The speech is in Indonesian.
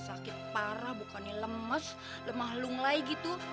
sakit parah bukannya lemes lemah lunglai gitu